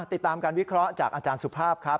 ติดตามการวิเคราะห์จากอาจารย์สุภาพครับ